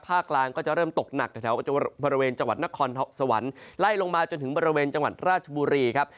กลางก็จะเริ่มตกหนักแถวบริเวณจังหวัดนครสวรรค์ไล่ลงมาจนถึงบริเวณจังหวัดราชบุรีครับ